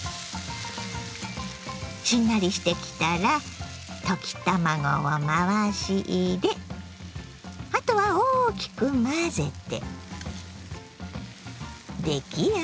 しんなりしてきたら溶き卵を回し入れあとは大きく混ぜて出来上がり。